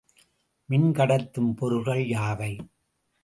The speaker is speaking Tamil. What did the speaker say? மின்கடத்தும் பொருள்கள் யாவை?